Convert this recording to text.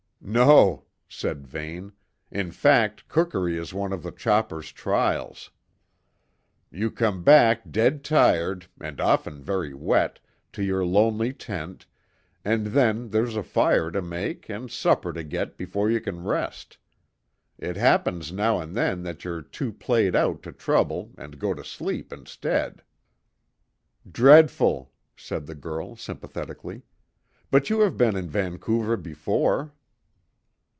"No," said Vane. "In fact, cookery is one of the chopper's trials. You come back dead tired, and often very wet, to your lonely tent, and then there's a fire to make and supper to get before you can rest. It happens now and then that you're too played out to trouble, and go to sleep instead." "Dreadful," said the girl, sympathetically. "But you have been in Vancouver before."